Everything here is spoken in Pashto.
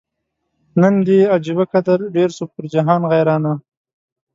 نن دي عجبه قدر ډېر سو پر جهان غیرانه